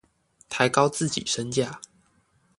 抬高自己身價